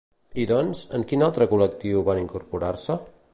I doncs, en quin altre col·lectiu van incorporar-se?